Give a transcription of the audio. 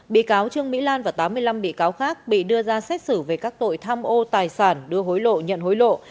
bị cáo trương mỹ lan và tám mươi năm bị cáo khác bị đưa ra xét xử về các tội tham ô tài sản đưa hối lộ nhận hối lộ